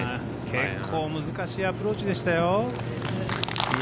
結構難しいアプローチでしたよ。